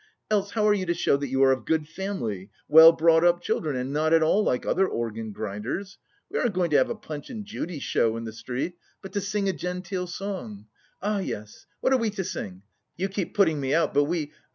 Else how are you to show that you are of good family, well brought up children, and not at all like other organ grinders? We aren't going to have a Punch and Judy show in the street, but to sing a genteel song.... Ah, yes,... What are we to sing? You keep putting me out, but we...